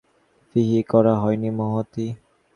আপনাকে তলব করা হয়নি মহামতি ফিহী।